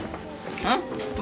うん？